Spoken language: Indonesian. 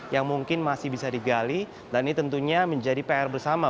yang mungkin masih bisa digali dan ini tentunya menjadi pr bersama